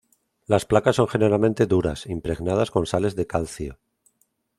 Las placas son generalmente duras, impregnadas con sales de calcio.